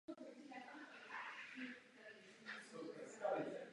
Brzy po vydání toho posledního kapela ukončila svou činnost.